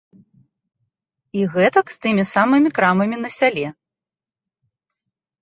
І гэтак з тымі самымі крамамі на сяле.